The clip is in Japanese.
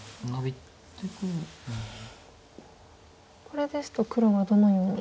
これですと黒はどのように。